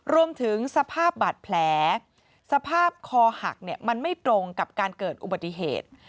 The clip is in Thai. รวมถึงสภาพบาดแผลสภาพคอหักมันไม่ตรงกับการเกิดอุบัติเหตุ